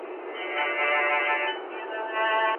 واکدار باید د خپلو شیانو نومونه وپیژني.